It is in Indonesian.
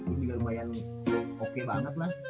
ini juga lumayan oke banget lah